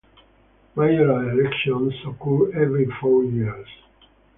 Mayoral elections occur every four years.